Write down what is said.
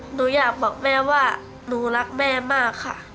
หนูอยากบอกแม่ว่าหนูรักแม่มากค่ะ